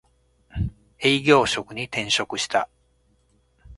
営業職に転職した